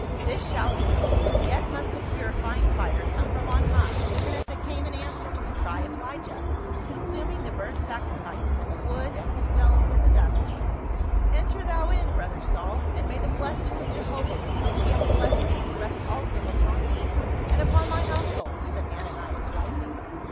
" This shall be ; yet must the purifying fire come from on high, even as it came in answer to the cry of Elijah, consuming the burnt sacri fice, and the wood, and the stones, and the dust, lick ing up the water also that was in the trench." " Enter thou in brother Saul, and may the blessing of Jehovah with which he hath blessed thee, rest also upon me and upon my household," said Ananias rising.